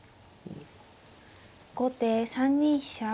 後手３二飛車。